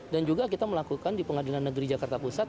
dan juga kita melakukan di pengadilan negeri jakarta pusat